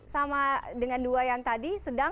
sama dengan dua yang tadi sedang